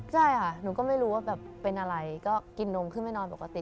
ใช่ค่ะหนูก็ไม่รู้ว่าแบบเป็นอะไรก็กินนมขึ้นไปนอนปกติ